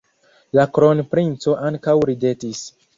La kronprinco ankaŭ ridetis.